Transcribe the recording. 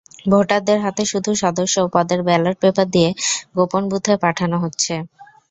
ভোটারদের হাতে শুধু সদস্য পদের ব্যালট পেপার দিয়ে গোপন বুথে পাঠানো হচ্ছে।